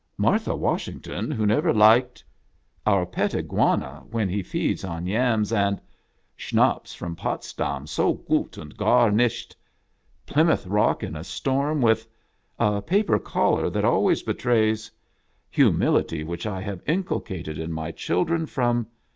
" Martha Washington, who never liked ...."" Our pet Iguana, when he feeds on yams and ...."" Schnapps, from Potsdam, so ' gut und gar nicht ...."" Plymouth Rock in a storm with ...." "A paper collar that always betrays ...."" Humility which I have inculcated in my children from